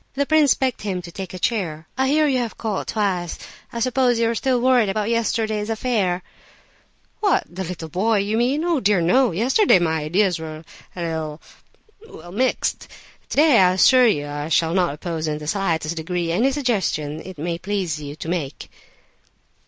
The prince begged him to take a chair. "I hear you have called twice; I suppose you are still worried about yesterday's affair." "What, about that boy, you mean? Oh dear no, yesterday my ideas were a little—well—mixed. Today, I assure you, I shall not oppose in the slightest degree any suggestions it may please you to make."